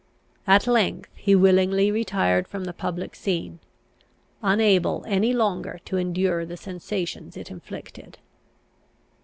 At length he willingly retired from the public scene, unable any longer to endure the sensations it inflicted.